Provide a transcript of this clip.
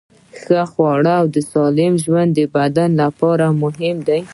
ښه خوراک او سالم ژوند د بدن لپاره مهم دي.